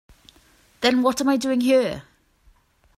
Then what am I doing here?